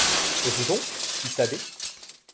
Et vous donc? fit Thaddée.